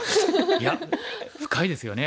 いや深いですよね。